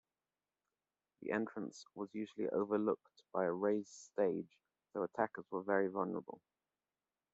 The entrance was usually overlooked by a raised stage so attackers were very vulnerable.